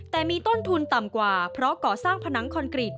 แต่มีต้นทุนต่ำกว่าเพราะก่อสร้างผนังคอนกรีต